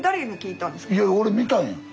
いや俺見たんや。